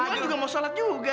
saya juga mau sholat juga